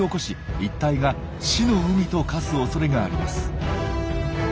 一帯が死の海と化すおそれがあります。